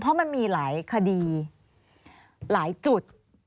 เพราะมันมีหลายคดีหลายจุด